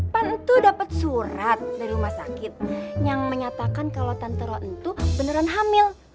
pan entuh dapet surat dari rumah sakit yang menyatakan kalau tante roentuh beneran hamil